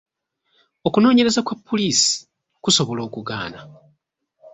Okunoonyereza kwa puliisi kusobola okugaana.